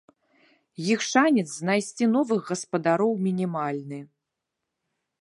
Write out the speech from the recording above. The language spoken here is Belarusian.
Іх шанец знайсці новых гаспадароў мінімальны.